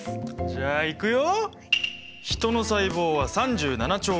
じゃあいくよ！